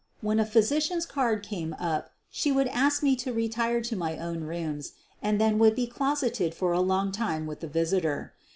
When a physician's card came np she would ask me to retire to my own rooms and then would be closeted for a long time with the visitor.